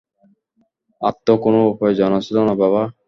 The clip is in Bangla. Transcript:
আএ কোন উপায় জানা ছিল না, বাবা।